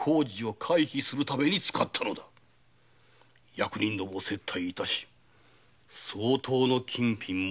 役人どもを接待し相当の金品も贈っておる。